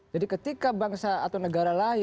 jadi ketika bangsa bangsa ini berpikir bahwa